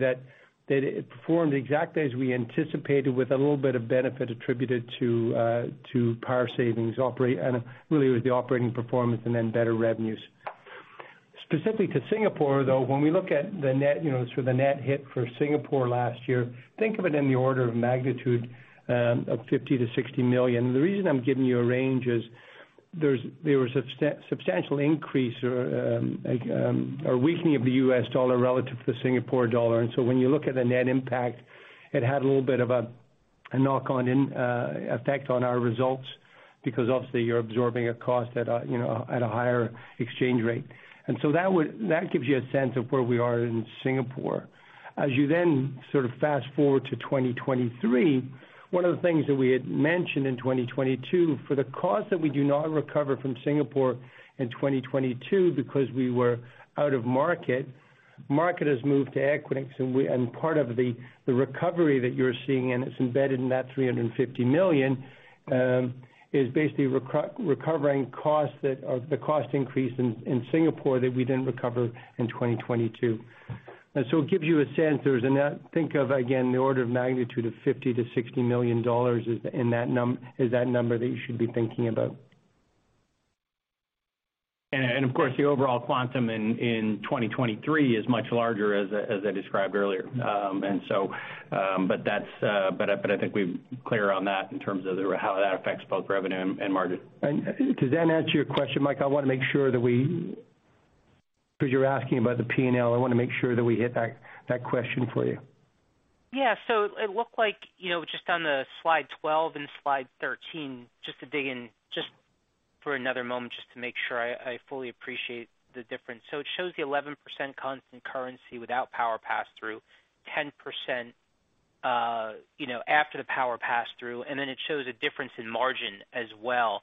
that it performed exactly as we anticipated with a little bit of benefit attributed to power savings operate, and really it was the operating performance and then better revenues. Specifically to Singapore, though, when we look at the net, you know, sort of the net hit for Singapore last year, think of it in the order of magnitude of $50 million-$60 million. The reason I'm giving you a range is there was a substantial increase or a weakening of the US dollar relative to the Singapore dollar. When you look at the net impact, it had a little bit of a knock on effect on our results because obviously you're absorbing a cost at a, you know, at a higher exchange rate. That gives you a sense of where we are in Singapore. As you then sort of fast-forward to 2023, one of the things that we had mentioned in 2022, for the costs that we do not recover from Singapore in 2022 because we were out of market has moved to Equinix, and part of the recovery that you're seeing, and it's embedded in that $350 million, is basically recovering costs that are the cost increase in Singapore that we didn't recover in 2022. It gives you a sense. There's a net, think of again, the order of magnitude of $50 million-$60 million is that number that you should be thinking about. Of course, the overall quantum in 2023 is much larger as I described earlier. That's, but I think we're clear on that in terms of the, how that affects both revenue and margin. Does that answer your question, Mike? I wanna make sure that 'cause you're asking about the P&L, I wanna make sure that we hit that question for you. It looked like, you know, just on the slide 12 and slide 13, just to dig in just for another moment just to make sure I fully appreciate the difference. It shows the 11% constant currency without power pass-through, 10%, you know, after the power pass-through, and then it shows a difference in margin as well.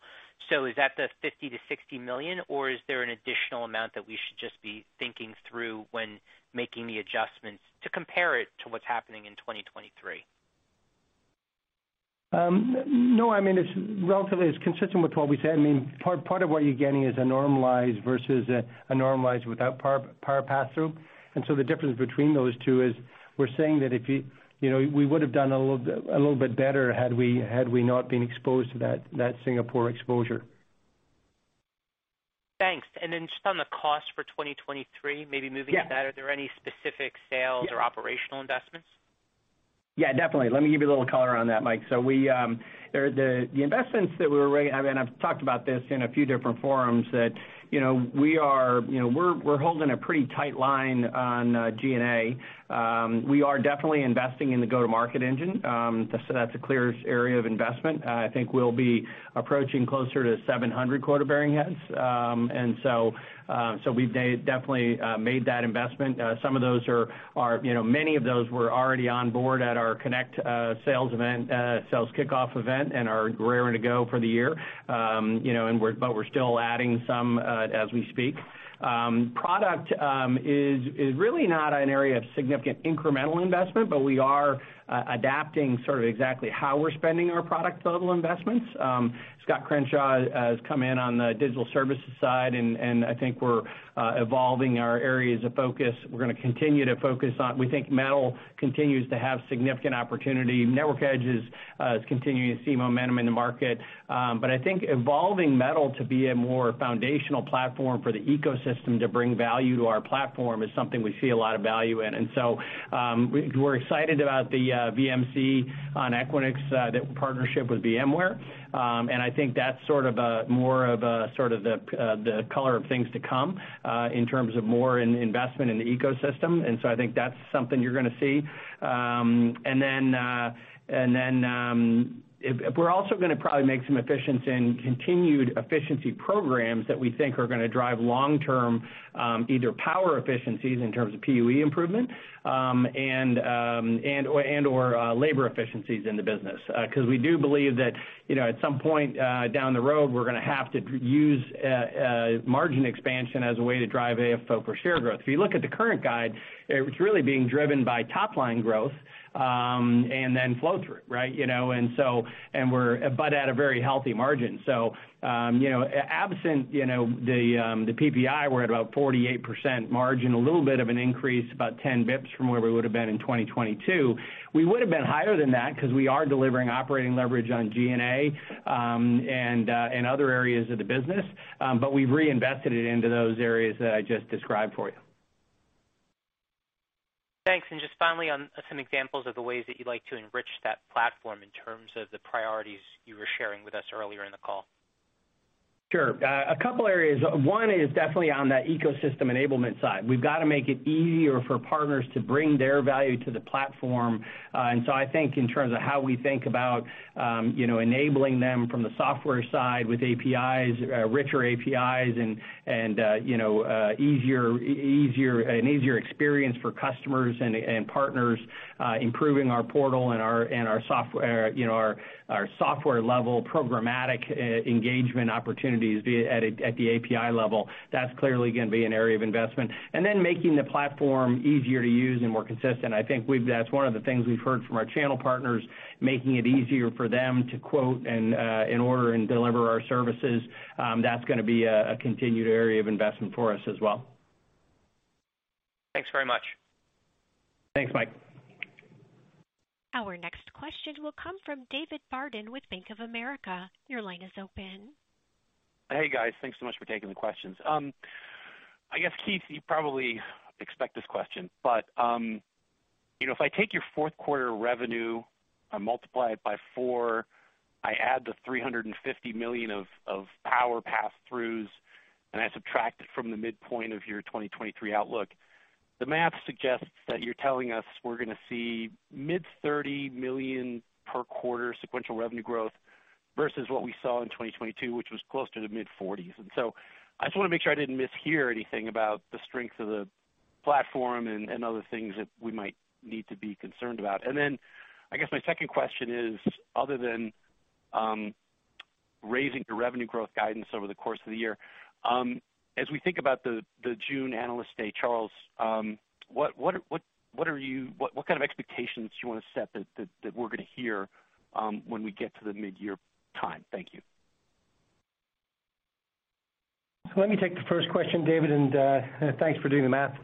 Is that the $50 million-$60 million, or is there an additional amount that we should just be thinking through when making the adjustments to compare it to what's happening in 2023? No, I mean, it's relatively, it's consistent with what we said. I mean, part of what you're getting is a normalized versus a normalized without power pass-through. The difference between those two is we're saying that if you know, we would have done a little bit better had we not been exposed to that Singapore exposure. Thanks. Just on the cost for 2023, maybe moving to that. Are there any specific sales or operational investments? Yeah, definitely. Let me give you a little color on that, Mike. I've talked about this in a few different forums that, you know, we are, you know, we're holding a pretty tight line on G&A. We are definitely investing in the go-to-market engine. That's a clear area of investment. I think we'll be approaching closer to 700 quota-bearing heads. We've definitely made that investment. Some of those are, you know, many of those were already on board at our connect sales event, sales kickoff event and are raring to go for the year. You know, we're still adding some as we speak. Product is really not an area of significant incremental investment, but we are adapting sort of exactly how we're spending our product level investments. Scott Crenshaw has come in on the digital services side, and I think we're evolving our areas of focus. We think Metal continues to have significant opportunity. Network Edge is continuing to see momentum in the market. But I think evolving Metal to be a more foundational platform for the ecosystem to bring value to our platform is something we see a lot of value in. We're excited about the VMC on Equinix, that partnership with VMware. I think that's sort of a more of a, sort of the color of things to come in terms of more in investment in the ecosystem. I think that's something you're gonna see. Then, then, we're also gonna probably make some efficiency and continued efficiency programs that we think are gonna drive long-term, either power efficiencies in terms of PUE improvement, and/or, and/or labor efficiencies in the business. 'Cause we do believe that, you know, at some point, down the road, we're gonna have to use margin expansion as a way to drive AFFO per share growth. If you look at the current guide, it's really being driven by top-line growth, and then flow-through, right? You know, at a very healthy margin. Absent, you know, the PPI, we're at about 48% margin, a little bit of an increase, about 10 basis points from where we would have been in 2022. We would have been higher than that because we are delivering operating leverage on G&A and other areas of the business, we've reinvested it into those areas that I just described for you. Thanks. Just finally, on some examples of the ways that you'd like to enrich that Platform in terms of the priorities you were sharing with us earlier in the call. Sure. A couple areas. One is definitely on that ecosystem enablement side. We've got to make it easier for partners to bring their value to the platform. I think in terms of how we think about, you know, enabling them from the software side with APIs, richer APIs and, you know, an easier experience for customers and partners, improving our portal and our, and our software, you know, our software-level programmatic e-engagement opportunities at the API level, that's clearly gonna be an area of investment. Making the platform easier to use and more consistent. I think That's one of the things we've heard from our channel partners, making it easier for them to quote and, in order and deliver our services. That's gonna be a continued area of investment for us as well. Thanks very much. Thanks, Mike. Our next question will come from David Barden with Bank of America. Your line is open. Hey, guys. Thanks so much for taking the questions. I guess, Keith, you probably expect this question, you know, if I take your fourth quarter revenue and multiply it by four, I add the $350 million of power pass-throughs, I subtract it from the midpoint of your 2023 outlook. The math suggests that you're telling us we're gonna see mid-$30 million per quarter sequential revenue growth versus what we saw in 2022, which was closer to mid-$40s. I just wanna make sure I didn't mishear anything about the strength of the platform and other things that we might need to be concerned about. I guess my second question is, other than raising your revenue growth guidance over the course of the year, as we think about the June Analyst Day, Charles, what kind of expectations do you want to set that we're gonna hear when we get to the midyear time? Thank you. Let me take the first question, David, and thanks for doing the math.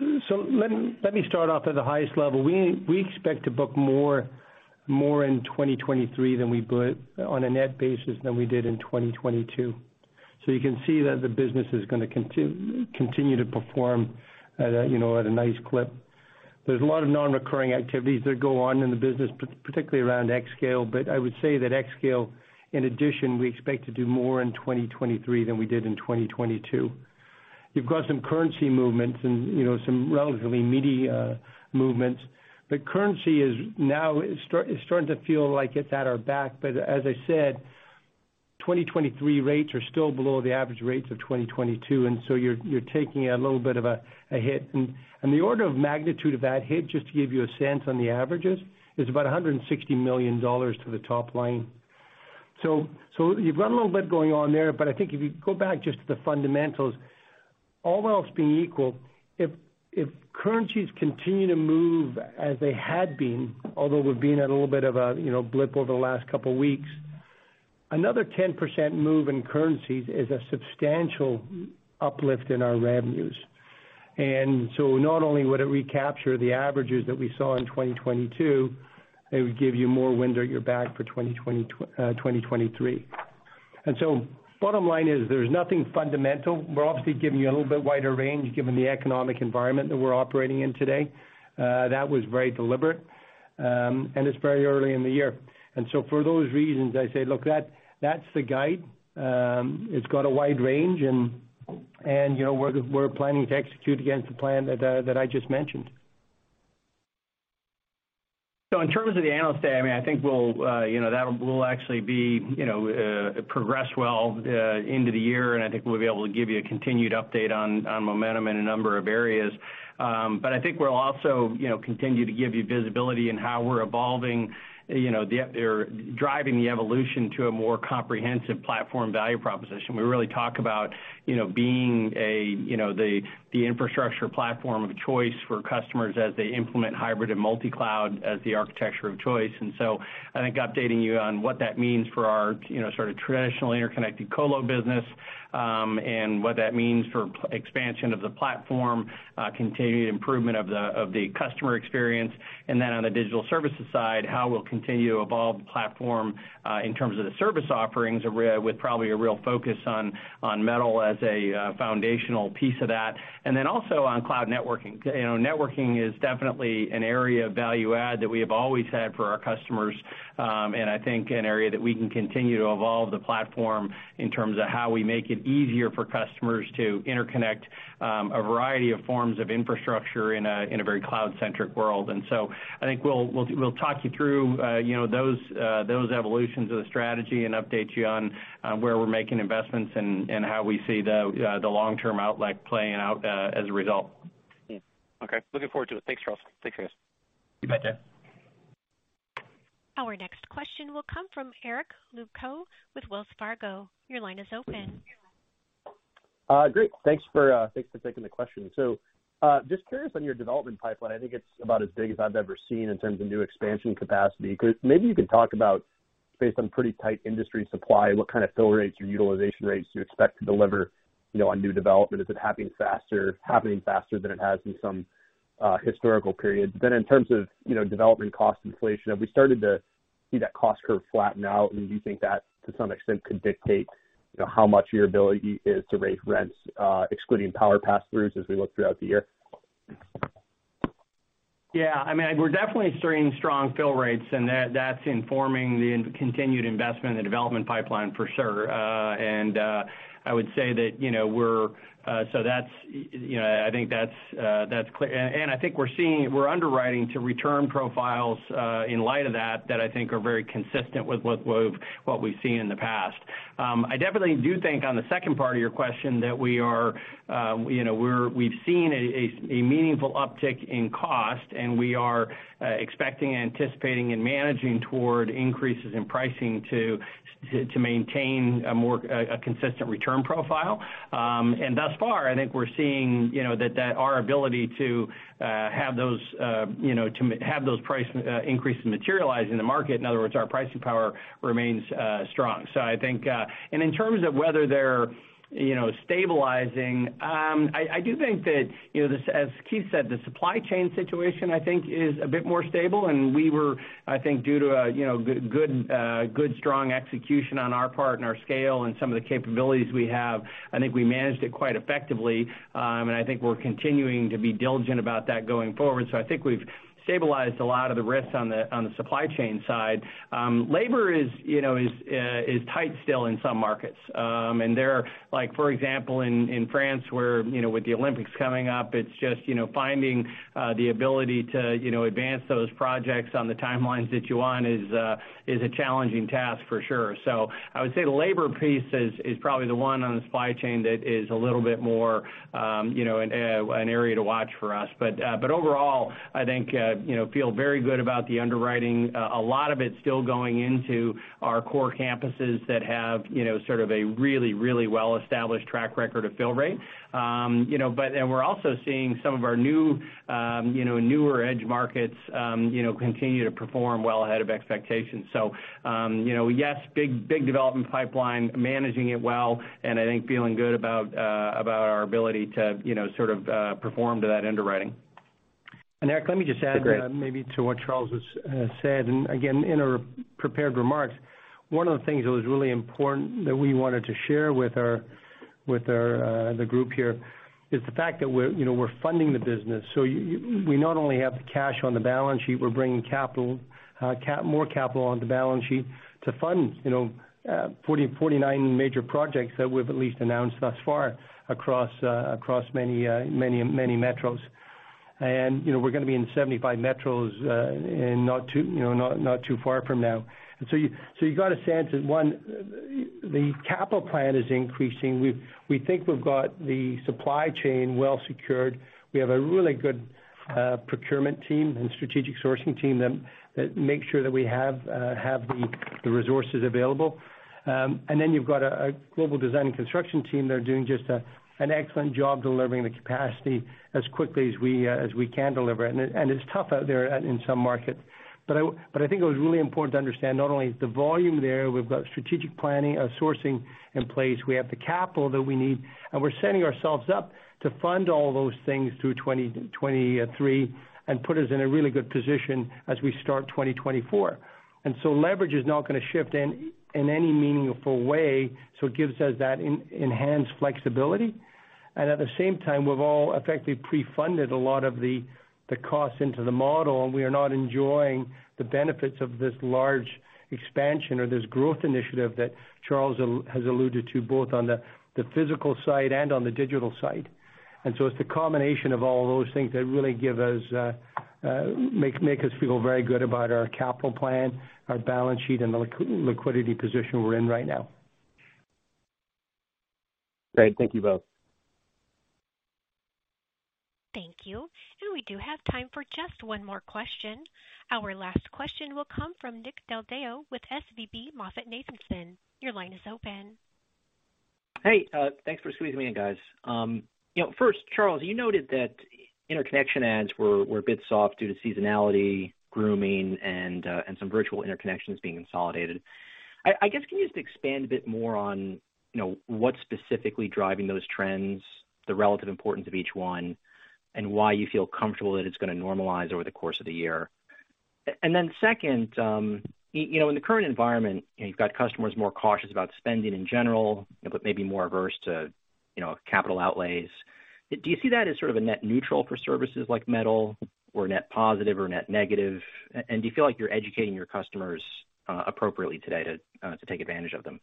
Let me start off at the highest level. We expect to book more in 2023 than we put on a net basis than we did in 2022. You can see that the business is gonna continue to perform at a, you know, at a nice clip. There's a lot of non-recurring activities that go on in the business, particularly around xScale. I would say that xScale, in addition, we expect to do more in 2023 than we did in 2022. You've got some currency movements and, you know, some relatively meaty movements. Currency is now starting to feel like it's at our back. As I said, 2023 rates are still below the average rates of 2022, you're taking a little bit of a hit. The order of magnitude of that hit, just to give you a sense on the averages, is about $160 million to the top line. You've got a little bit going on there, but I think if you go back just to the fundamentals, all else being equal, if currencies continue to move as they had been, although we've been at a little bit of a, you know, blip over the last couple weeks, another 10% move in currencies is a substantial uplift in our revenues. Not only would it recapture the averages that we saw in 2022, it would give you more wind at your back for 2023. Bottom line is there's nothing fundamental. We're obviously giving you a little bit wider range given the economic environment that we're operating in today. That was very deliberate, and it's very early in the year. For those reasons, I say, look, that's the guide. It's got a wide range and, you know, we're planning to execute against the plan that I just mentioned. In terms of the Analyst Day, I mean, I think we'll, you know, we'll actually be, you know, progress well into the year, and I think we'll be able to give you a continued update on momentum in a number of areas. I think we'll also, you know, continue to give you visibility in how we're evolving, you know, or driving the evolution to a more comprehensive platform value proposition. We really talk about, you know, being a, you know, the infrastructure platform of choice for customers as they implement hybrid and multi-cloud as the architecture of choice. I think updating you on what that means for our, you know, sort of traditional interconnected color business, and what that means for expansion of the platform, continued improvement of the customer experience. On the digital services side, how we'll continue to evolve the platform in terms of the service offerings with probably a real focus on metal as a foundational piece of that. Also on cloud networking. You know, networking is definitely an area of value add that we have always had for our customers, I think an area that we can continue to evolve the platform in terms of how we make it easier for customers to interconnect a variety of forms of infrastructure in a very cloud-centric world. I think we'll talk you through, you know, those evolutions of the strategy and update you on where we're making investments and how we see the long-term outlet playing out as a result. Okay. Looking forward to it. Thanks, Charles. Thanks, guys. You bet, Jay. Our next question will come from Eric Luebchow with Wells Fargo. Your line is open. Great. Thanks for thanks for taking the question. Just curious on your development pipeline. I think it's about as big as I've ever seen in terms of new expansion capacity. Maybe you could talk about based on pretty tight industry supply, what kind of fill rates or utilization rates do you expect to deliver, you know, on new development? Is it happening faster than it has in some historical periods? In terms of, you know, development cost inflation, have we started to see that cost curve flatten out? Do you think that to some extent could dictate, you know, how much your ability is to raise rents, excluding power pass-throughs as we look throughout the year? Yeah. I mean, we're definitely seeing strong fill rates, and that's informing the continued investment in the development pipeline for sure. I would say that, you know, we're, that's, you know, I think that's clear. I think we're underwriting to return profiles, in light of that I think are very consistent with what we've seen in the past. I definitely do think on the second part of your question that we are, you know, we've seen a meaningful uptick in cost, and we are expecting and anticipating and managing toward increases in pricing to maintain a more consistent return profile. Thus far, I think we're seeing, you know, that our ability to have those price increases materialize in the market, in other words, our pricing power remains strong. In terms of whether they're, you know, stabilizing, I do think that, you know, as Keith said, the supply chain situation, I think is a bit more stable, and we were, I think due to a, you know, good strong execution on our part and our scale and some of the capabilities we have, I think we managed it quite effectively. I think we're continuing to be diligent about that going forward. I think we've stabilized a lot of the risks on the supply chain side. Labor is, you know, is tight still in some markets. Like, for example, in France, where, you know, with the Olympics coming up, it's just, you know, finding the ability to, you know, advance those projects on the timelines that you want is a challenging task for sure. I would say the labor piece is probably the one on the supply chain that is a little bit more, you know, an area to watch for us. Overall, I think, you know, feel very good about the underwriting. A lot of it's still going into our core campuses that have, you know, sort of a really well-established track record of fill rate. You know, and we're also seeing some of our new, you know, newer edge markets, you know, continue to perform well ahead of expectations. You know, yes, big, big development pipeline, managing it well, and I think feeling good about our ability to, you know, sort of, perform to that underwriting. Eric, let me just add, maybe to what Charles has said. Again, in our prepared remarks, one of the things that was really important that we wanted to share with our, with our, the group here is the fact that we're, you know, funding the business. We not only have the cash on the balance sheet, we're bringing capital, more capital on the balance sheet to fund, you know, 49 major projects that we've at least announced thus far across many, many, many metros. You know, we're gonna be in 75 metros, in not too, you know, not too far from now. So you got a sense that, one, the capital plan is increasing. We think we've got the supply chain well secured. We have a really good procurement team and strategic sourcing team that makes sure that we have the resources available. You've got a global design and construction team. They're doing just an excellent job delivering the capacity as quickly as we can deliver it. It's tough out there in some markets. I think it was really important to understand not only the volume there, we've got strategic planning, sourcing in place. We have the capital that we need, and we're setting ourselves up to fund all those things through 2023 and put us in a really good position as we start 2024. Leverage is not gonna shift in any meaningful way, so it gives us that enhanced flexibility. At the same time, we've all effectively pre-funded a lot of the costs into the model, and we are not enjoying the benefits of this large expansion or this growth initiative that Charles has alluded to, both on the physical side and on the digital side. It's the combination of all those things that really give us, make us feel very good about our capital plan, our balance sheet and the liquidity position we're in right now. Great. Thank you both. Thank you. We do have time for just one more question. Our last question will come from Nick Del Deo with SVB MoffettNathanson. Your line is open. Hey, thanks for squeezing me in, guys. You know, first, Charles, you noted that interconnection adds were a bit soft due to seasonality, grooming, and some virtual interconnections being consolidated. I guess, can you just expand a bit more on, you know, what's specifically driving those trends, the relative importance of each one, and why you feel comfortable that it's gonna normalize over the course of the year? Then second, you know, in the current environment, you've got customers more cautious about spending in general, but maybe more averse to, you know, capital outlays. Do you see that as sort of a net neutral for services like metal or net positive or net negative? Do you feel like you're educating your customers appropriately today to take advantage of them?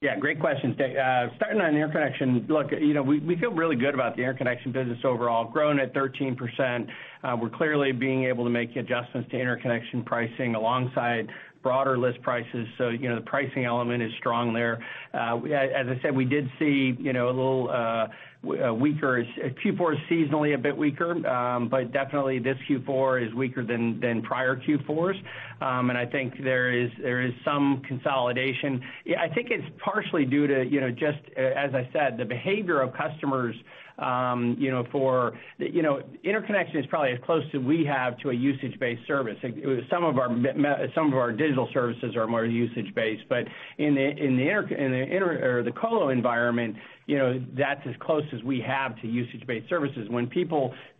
Yeah, great question, Nick. Starting on interconnection. Look, you know, we feel really good about the interconnection business overall, growing at 13%. We're clearly being able to make adjustments to interconnection pricing alongside broader list prices. You know, the pricing element is strong there. As I said, we did see, you know, a little weaker. Q4 is seasonally a bit weaker, definitely this Q4 is weaker than prior Q4s. I think there is some consolidation. Yeah, I think it's partially due to, you know, just as I said, the behavior of customers, you know, interconnection is probably as close as we have to a usage-based service. Some of our digital services are more usage-based, but in the inter or the color environment, you know, that's as close as we have to usage-based services. When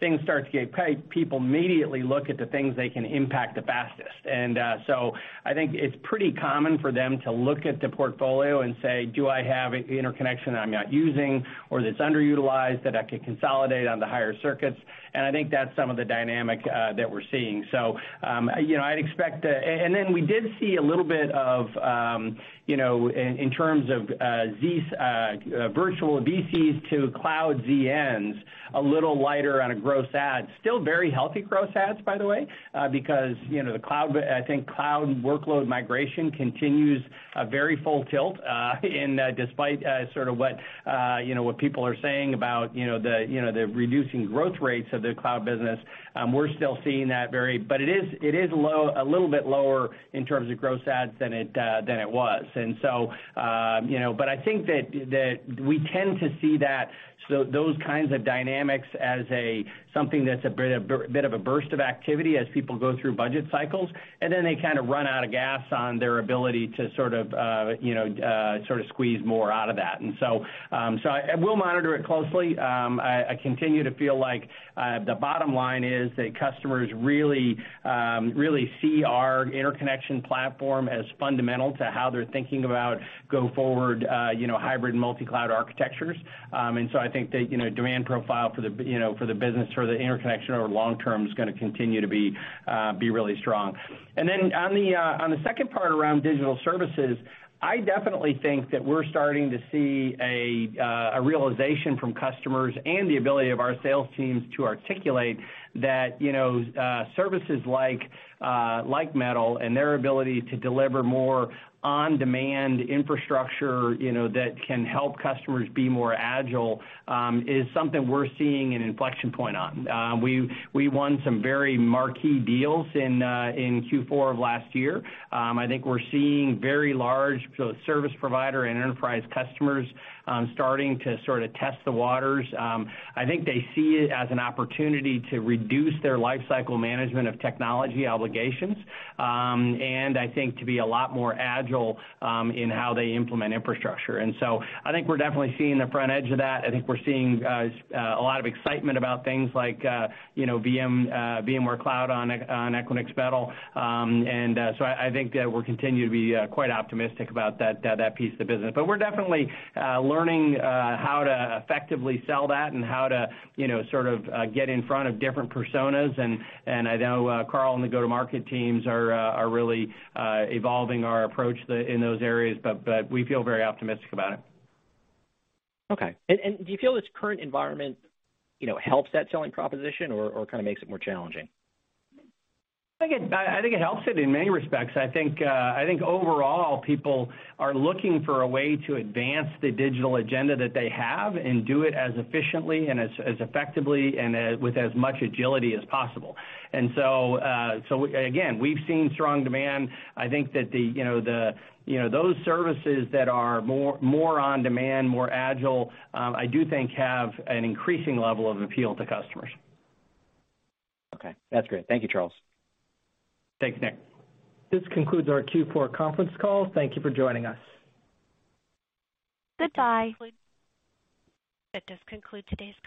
things start to get tight, people immediately look at the things they can impact the fastest. I think it's pretty common for them to look at the portfolio and say, "Do I have interconnection I'm not using or that's underutilized that I could consolidate on the higher circuits?" I think that's some of the dynamic that we're seeing. You know, I'd expect to. Then we did see a little bit of, you know, in terms of these virtual VCs to cloud ZNs, a little lighter on a gross adds. Still very healthy gross adds, by the way, because, you know, the cloud, I think cloud workload migration continues very full tilt, and despite sort of what, you know, what people are saying about, you know, the, you know, the reducing growth rates of the cloud business, we're still seeing that vary. It is a little bit lower in terms of gross adds than it was. I think that we tend to see that, so those kinds of dynamics as a something that's a bit of a burst of activity as people go through budget cycles, and then they kind of run out of gas on their ability to sort of squeeze more out of that. So I will monitor it closely. I continue to feel like the bottom line is that customers really see our interconnection platform as fundamental to how they're thinking about go forward, you know, hybrid multi-cloud architectures. So I think that, you know, demand profile for the, you know, for the business or the interconnection over long term is gonna continue to be really strong. Then on the second part around digital services, I definitely think that we're starting to see a realization from customers and the ability of our sales teams to articulate that, you know, services like metal and their ability to deliver more on-demand infrastructure, you know, that can help customers be more agile, is something we're seeing an inflection point on. We won some very marquee deals in Q4 of last year. I think we're seeing very large service provider and enterprise customers starting to sort of test the waters. I think they see it as an opportunity to reduce their lifecycle management of technology obligations and I think to be a lot more agile in how they implement infrastructure. I think we're definitely seeing the front edge of that. I think we're seeing a lot of excitement about things like, you know, VMware Cloud on Equinix Metal. I think that we'll continue to be quite optimistic about that piece of the business. But we're definitely learning how to effectively sell that and how to, you know, sort of, get in front of different personas. I know, Carl and the go-to-market teams are really evolving our approach in those areas, but we feel very optimistic about it. Okay. Do you feel this current environment, you know, helps that selling proposition or kind of makes it more challenging? I think it helps it in many respects. I think, I think overall people are looking for a way to advance the digital agenda that they have and do it as efficiently and as effectively and, with as much agility as possible. Again, we've seen strong demand. I think that the, you know, those services that are more on demand, more agile, I do think have an increasing level of appeal to customers. Okay, that's great. Thank you, Charles. Thanks, Nick. This concludes our Q4 conference call. Thank you for joining us. Goodbye. That does conclude today's conference.